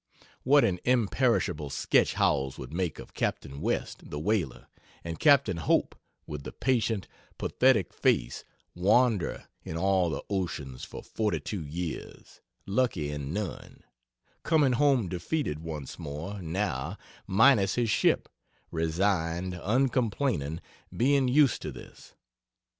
"What an imperishable sketch Howells would make of Capt. West the whaler, and Capt. Hope with the patient, pathetic face, wanderer in all the oceans for 42 years, lucky in none; coming home defeated once more, now, minus his ship resigned, uncomplaining, being used to this."